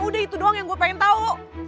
udah itu doang yang gue pengen tahu